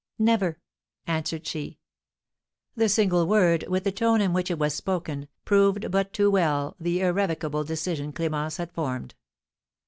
"Never!" answered she. The single word, with the tone in which it was spoken, proved but too well the irrevocable decision Clémence had formed.